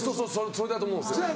それだと思うんですよ。